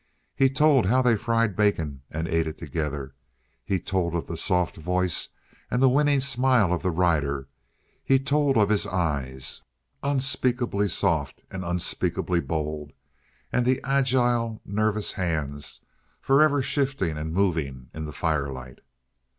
He told how they fried bacon and ate it together; he told of the soft voice and the winning smile of the rider; he told of his eyes, unspeakably soft and unspeakably bold, and the agile, nervous hands, forever shifting and moving in the firelight.